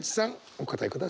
お答えください。